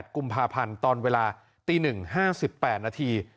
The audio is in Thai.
๒๘กุมภาพันธ์ตอนเวลาตี๑ห้าสิบแปดนาที